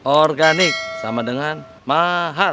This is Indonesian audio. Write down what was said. organik sama dengan mahal